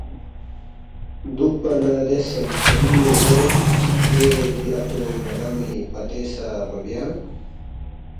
دوُکپا نہ دے سنتریُون٘ی زیرید، ”لے دی اتو ن٘دان٘ی پتے سہ مہ بیا“